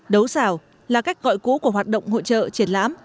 đấu xảo là cách gọi cũ của hoạt động hội trợ triển lãm